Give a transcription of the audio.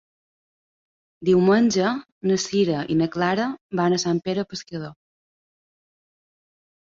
Diumenge na Sira i na Clara van a Sant Pere Pescador.